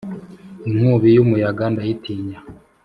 ’inkubi y’umuyaga ndayitinya